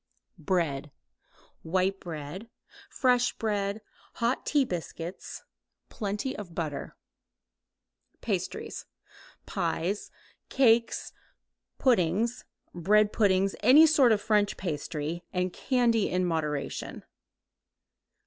Bread. White bread, fresh bread, hot tea biscuits, plenty of butter. Pastries. Pies, cakes, puddings, bread puddings, any sort of French pastry, and candy (in moderation).